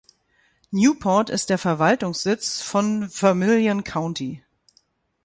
Newport ist der Verwaltungssitz von Vermillion County.